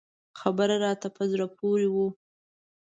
خبر راته په زړه پورې و.